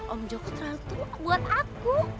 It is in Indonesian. om jokotral tuh buat aku